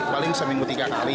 paling seminggu tiga kali